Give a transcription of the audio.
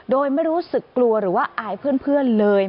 โดยไม่รู้สึกกลัวหรือว่าอายเพื่อนเลย